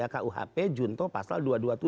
kuhp junto pasal dua ratus dua puluh tujuh